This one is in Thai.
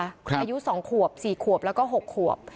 อายุ๒ขวบ๔ขวบแล้วก็๖ขวบ